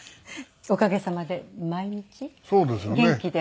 おかげさまで毎日元気で。